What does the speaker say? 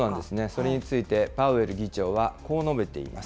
それについて、パウエル議長はこう述べています。